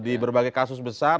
di berbagai kasus besar